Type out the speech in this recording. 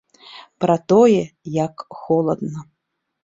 Пра тое, як холадна.